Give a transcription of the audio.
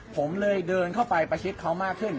ผมเลยเดินเข้าไปประชิดเขามากขึ้น